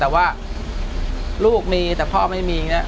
แต่ว่าลูกมีแต่พ่อไม่มีอย่างนี้